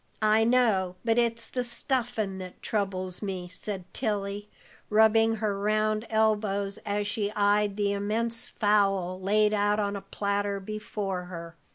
"I know, but it's the stuffin' that troubles me," said Tilly, rubbing her round elbows as she eyed the immense fowl laid out on a platter before her.